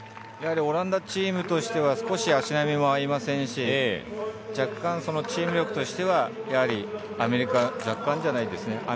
オランダチームとしては少し足並みも合いませんし若干、チーム力としてはアメリカが若干じゃないですけね。